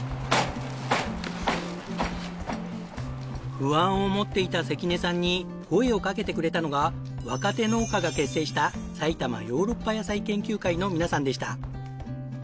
不安を持っていた関根さんに声を掛けてくれたのが若手農家が結成したさいたまヨーロッパ野菜研究会の皆さんでした。